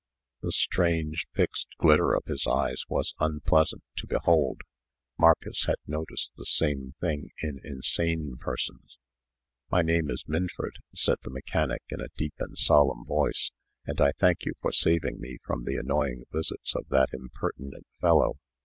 The strange, fixed glitter of his eyes was unpleasant to behold. Marcus had noticed the same thing in insane persons. "My name is Minford," said the mechanic, in a deep and solemn voice, "and I thank you for saving me from the annoying visits of that impertinent fellow.